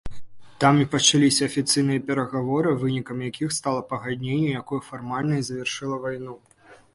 Там і пачаліся афіцыйныя перагаворы, вынікам якіх стала пагадненне, якое фармальна і завяршыла вайну.